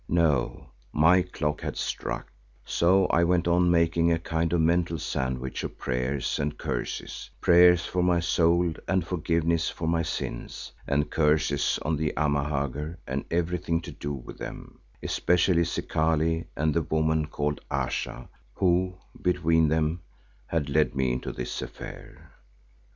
No, my clock had struck, so I went on making a kind of mental sandwich of prayers and curses; prayers for my soul and forgiveness for my sins, and curses on the Amahagger and everything to do with them, especially Zikali and the woman called Ayesha, who, between them, had led me into this affair.